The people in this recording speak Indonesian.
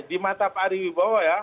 di mata pak arifin